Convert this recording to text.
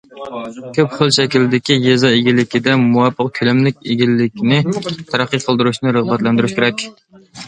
كۆپ خىل شەكىلدىكى يېزا ئىگىلىكىدە مۇۋاپىق كۆلەملىك ئىگىلىكنى تەرەققىي قىلدۇرۇشنى رىغبەتلەندۈرۈش كېرەك.